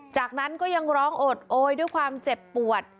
จากนั้นก็ยังร้องโอดโอยด้วยความเจ็บปวด